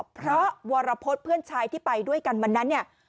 เพราะวรพฤษเพื่อนชายที่ไปด้วยกันวันนั้นเนี่ย